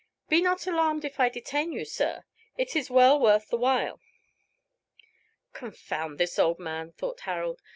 Be not alarmed if I detain you, sir. It is well worth the while." "Confound this old man," thought Harold.